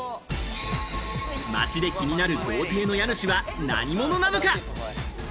街で気になる豪邸の家主は何者なのか？